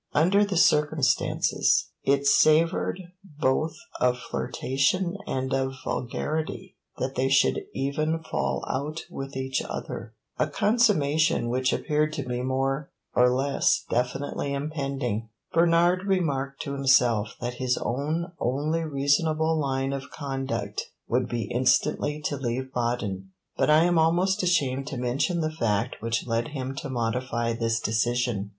Under the circumstances, it savoured both of flirtation and of vulgarity that they should even fall out with each other a consummation which appeared to be more or less definitely impending. Bernard remarked to himself that his own only reasonable line of conduct would be instantly to leave Baden, but I am almost ashamed to mention the fact which led him to modify this decision.